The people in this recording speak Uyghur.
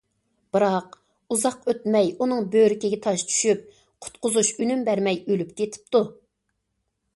بىراق ئۇزاق ئۆتمەي ئۇنىڭ بۆرىكىگە تاش چۈشۈپ، قۇتقۇزۇش ئۈنۈم بەرمەي ئۆلۈپ كېتىپتۇ.